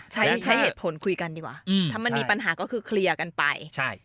ใช้เหตุผลคุยกันดีกว่าถ้ามันมีปัญหาก็คือเคลียร์กันไป